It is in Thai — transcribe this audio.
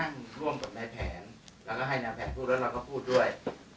เราก็ให้ในแผนพูดแล้วเราก็พูดด้วย